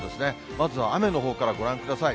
まずは雨のほうからご覧ください。